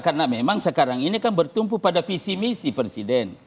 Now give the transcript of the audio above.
karena memang sekarang ini kan bertumpu pada visi misi presiden